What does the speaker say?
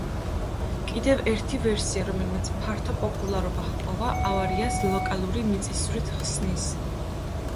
კიდევ ერთი ვერსია, რომელმაც ფართო პოპულარობა ჰპოვა, ავარიას ლოკალური მიწისძვრით ხსნის.